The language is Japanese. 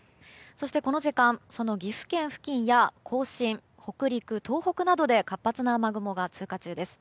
そしてこの時間その岐阜県付近や甲信、北陸東北などで活発な雨雲が通過中です。